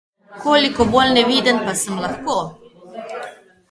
Koliko bolj neviden pa sem lahko?